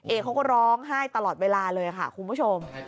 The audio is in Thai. เขาก็ร้องไห้ตลอดเวลาเลยค่ะคุณผู้ชม